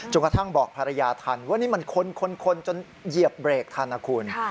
กระทั่งบอกภรรยาทันว่านี่มันคนจนเหยียบเบรกทันนะคุณ